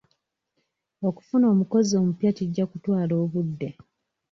Okufuna omukozi omupya kijja kutwala obudde.